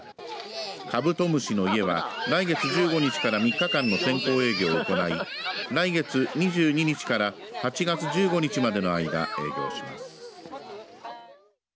かぶと虫の家は来月１５日から３日間の先行営業を行い来月２２日から８月１５日までの間営業します。